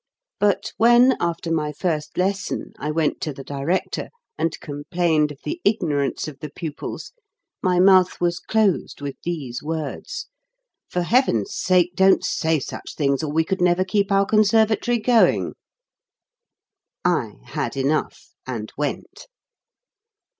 But when, after my first lesson, I went to the director and complained of the ignorance of the pupils, my mouth was closed with these words, "For Heaven's sake, don't say such things, or we could never keep our conserva tory going !" I had enough, and went.